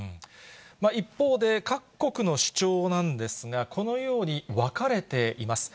一方で、各国の主張なんですが、このように分かれています。